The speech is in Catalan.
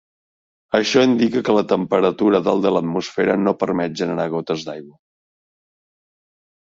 Això indica que la temperatura dalt de l'atmosfera, no permet generar gotes d'aigua.